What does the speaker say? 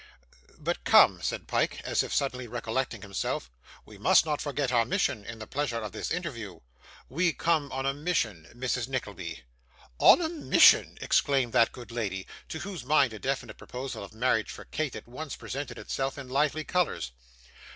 'But come,' said Pyke, as if suddenly recollecting himself; 'we must not forget our mission in the pleasure of this interview. We come on a mission, Mrs. Nickleby.' 'On a mission,' exclaimed that good lady, to whose mind a definite proposal of marriage for Kate at once presented itself in lively colours.